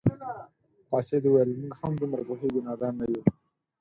قاصد وویل موږ هم دومره پوهیږو نادان نه یو.